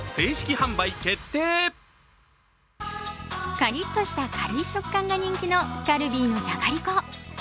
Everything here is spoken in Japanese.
カリッとした軽い食感が人気のカルビーのじゃがりこ。